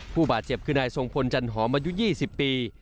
ผู้บาดเจ็บคือนายทรงพลจันหอมอายุ๒๐ปี